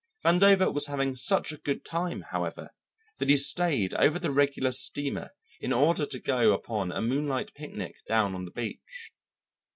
Vandover was having such a good time, however, that he stayed over the regular steamer in order to go upon a moonlight picnic down on the beach.